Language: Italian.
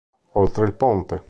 Oltre il ponte